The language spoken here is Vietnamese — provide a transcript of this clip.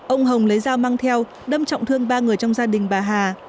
ông hồng lấy dao mang theo đâm trọng thương ba người trong gia đình bà hà